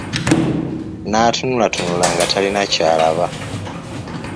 Naatunulatunula nga talina ky'alaba.